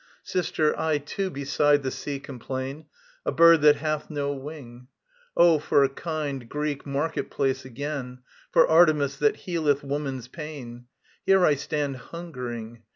Sister, I too beside the sea complain, A bird that hath no wing. Oh, for a kind Greek market place again, For Artemis that healeth woman's pain; ' Here I stand hungering.